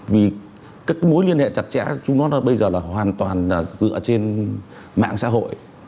vì các mối liên hệ chặt chẽ chúng nó bây giờ là hoàn toàn dựa trên mạng xã hội